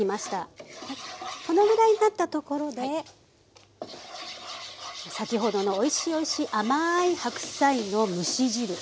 このぐらいになったところで先ほどのおいしいおいしい甘い白菜の蒸し汁。